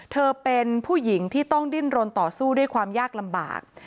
เธอเป็นผู้หญิงที่ต้องดิ้นรนต่อสู้ด้วยความยากลำบาก